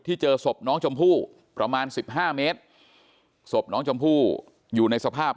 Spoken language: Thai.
เจอศพน้องชมพู่ประมาณ๑๕เมตรศพน้องชมพู่อยู่ในสภาพ